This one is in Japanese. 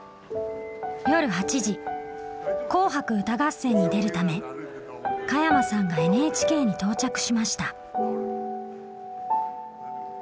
夜８時「紅白歌合戦」に出るため加山さんがＮＨＫに到着しました。